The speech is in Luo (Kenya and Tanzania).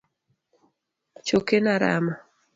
Chokena rama.